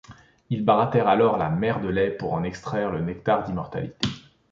Ils barattèrent alors la mer de lait pour en extraire le nectar d'immortalité.